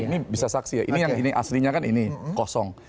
ini bisa saksi ya ini yang ini aslinya kan ini kosong